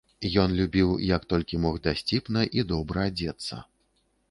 Ён любіў як толькі мог дасціпна і добра адзецца.